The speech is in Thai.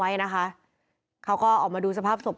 พุ่งเข้ามาแล้วกับแม่แค่สองคน